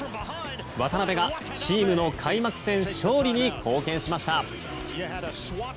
渡邊がチームの開幕戦勝利に貢献しました。